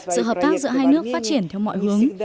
sự hợp tác giữa hai nước phát triển theo mọi hướng